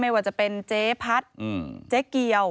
ไม่ว่าจะเป็นเจ๊พัฒน์เจ๊เกี๊ยว